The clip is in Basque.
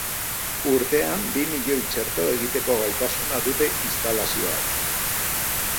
Urtean bi milioi txerto egiteko gaitasuna dute instalazioek.